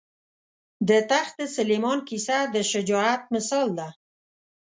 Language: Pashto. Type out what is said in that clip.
د تخت سلیمان کیسه د شجاعت مثال ده.